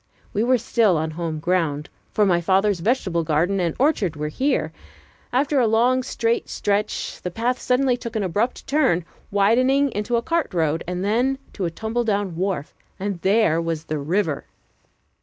We were still on home ground, for my father's vegetable garden and orchard were here. After a long straight stretch, the path suddenly took an abrupt turn, widening into a cart road, then to a tumble down wharf, and there was the river!